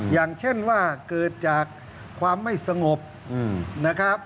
อย่างเช่นว่าเกิดจากความไม่สงบนะครับ